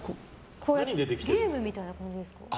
ゲームみたいな感じですか？